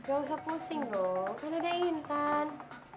nggak usah pusing dong kan ada intan